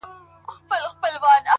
زړه وه زړه ته لاره لري!